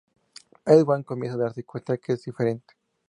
Ewan comienza a darse cuenta que es diferente.